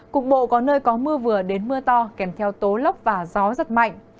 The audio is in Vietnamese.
cục bộ có nơi có mưa vừa đến mưa to kèm theo tố lốc và gió giật mạnh